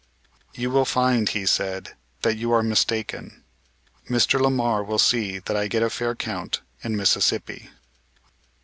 "You will find," he said, "that you are mistaken. Mr. Lamar will see that I get a fair count in Mississippi."